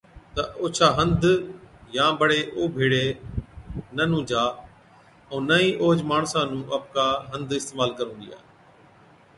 تہ اوڇا هنڌ يان بڙي او ڀيڙَي نہ نُونجھا ائُون نہ ئِي اوهچ ماڻسا نُون آپڪا هنڌ اِستعمال ڪرُون ڏِيا۔